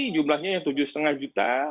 jumlahnya tujuh lima juta